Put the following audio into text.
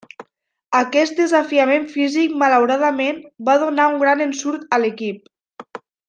Aquest desafiament físic malauradament, va donar un gran ensurt a l'equip.